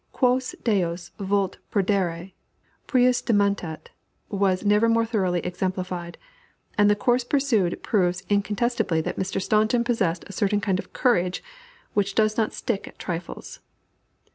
Quos Deus vult perdere, prius dementat was never more thoroughly exemplified, and the course pursued proves incontestably that Mr. Staunton possesses a certain kind of courage which does not stick at trifles.